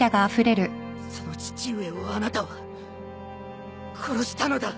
その父上をあなたは殺したのだ。